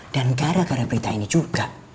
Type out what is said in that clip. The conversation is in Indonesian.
dan gara gara berita ini juga